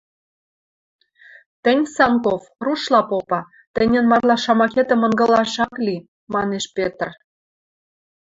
— Тӹнь, Санков, рушла попы, тӹньӹн «марла» шамакетӹм ынгылаш ак ли, — манеш Петр.